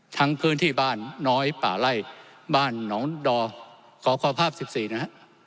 พื้นที่บ้านน้อยป่าไล่บ้านหนองดอขอภาพ๑๔นะฮะ